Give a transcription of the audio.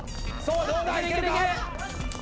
どうだ⁉いけるか⁉いけるいける！